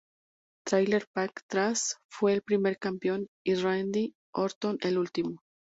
Trailer Park Trash fue el primer campeón y Randy Orton el último.